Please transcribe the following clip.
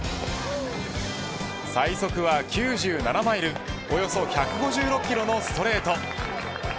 最速は９７マイルおよそ１５６キロのストレート。